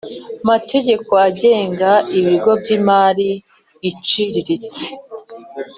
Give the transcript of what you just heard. Mategeko agenga ibigo by imari iciriritse